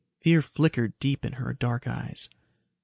Fear flickered deep in her dark eyes.